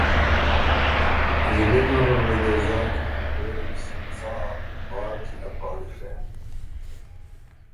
زلی نره ره دې زاک که پېری ل سو څا بار کی ا پاړی ڒېن